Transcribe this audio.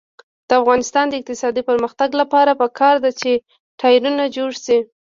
د افغانستان د اقتصادي پرمختګ لپاره پکار ده چې ټایرونه جوړ شي.